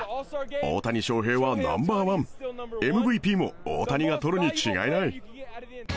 大谷翔平はナンバーワン、ＭＶＰも大谷が取るに違いない。